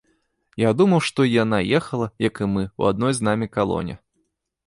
Я думаў, што і яна ехала, як і мы, у адной з намі калоне.